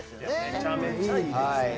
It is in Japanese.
めちゃめちゃいいですね